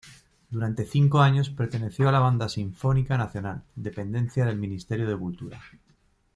Durante cinco años perteneció a la Banda Sinfónica Nacional, dependencia del Ministerio de Cultura.